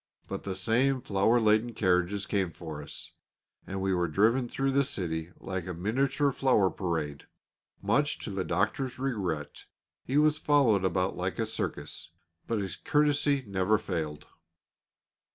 But the same flower laden carriages came for us, and we were driven through the city like a miniature flower parade. Much to the Doctor's regret he was followed about like a circus; but his courtesy never failed.